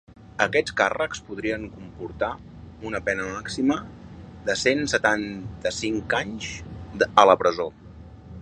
Aquests càrrecs podrien comportar una pena màxima de cent setanta-cinc anys a la presó.